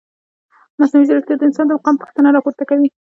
مصنوعي ځیرکتیا د انسان د مقام پوښتنه راپورته کوي.